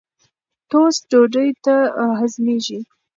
ټوسټ ډوډۍ ښه هضمېږي.